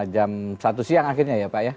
jam satu siang akhirnya ya pak ya